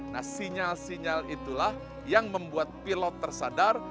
nah sinyal sinyal itulah yang membuat pilot tersadar